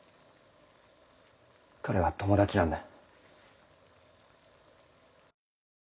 彼は友達なんだ。